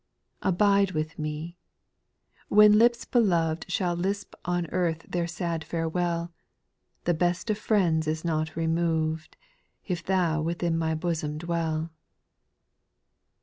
2. " Abide with me " when lips beloved Shall lisp on earth their sad farewell ; The best of friends is not removed, If Thou within my bosom dwell.